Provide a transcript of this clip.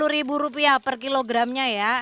tiga puluh ribu rupiah per kilogramnya ya